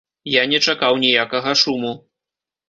Я не чакаў ніякага шуму.